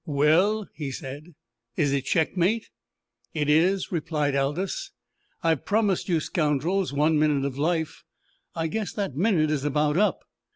"Well?" he said. "Is it checkmate?" "It is," replied Aldous. "I've promised you scoundrels one minute of life. I guess that minute is about up."